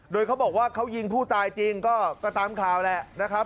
โดยเขาบอกว่าเขายิงผู้ตายจริงก็ตามข่าวแหละนะครับ